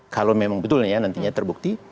kalau memang betul ya nantinya terbukti